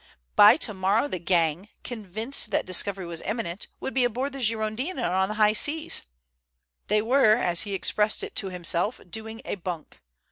By tomorrow the gang, convinced that discovery was imminent, would be aboard the Girondin and on the high seas. They were, as he expressed it to himself, "doing a bunk."